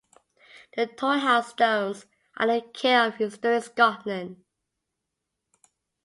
The Torhouse Stones are in the care of Historic Scotland.